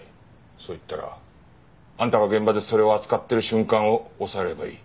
そう言ったらあんたが現場でそれを扱ってる瞬間を押さえればいい。